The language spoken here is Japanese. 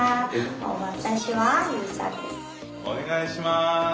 お願いします。